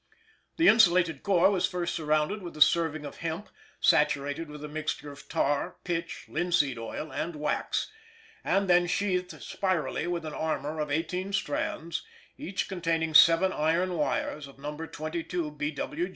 The insulated core was first surrounded with a serving of hemp saturated with a mixture of tar, pitch, linseed oil, and wax; and then sheathed spirally with an armor of eighteen strands, each containing seven iron wires of No. 22 B.W.G.